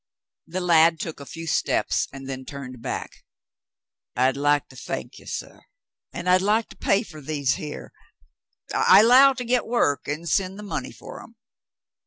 ' The lad took a few steps and then turned back. "I'd like to thank you, suh, an' I'd like to pay fer these here — I 'low to get work an' send the money fer 'em."